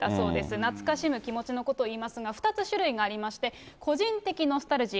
懐かしむ気持ちのことをいいますが、２つ種類がありまして、個人的ノスタルジー。